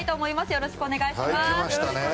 よろしくお願いします。